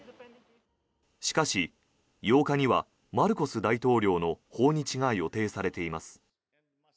しかし、８日にはマルコス大統領の訪日が予定されています。